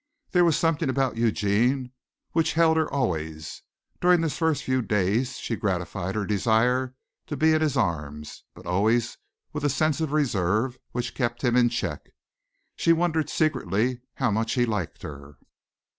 There was something about Eugene which held her always. During these very first days she gratified her desire to be in his arms, but always with a sense of reserve which kept him in check. She wondered secretly how much he liked her.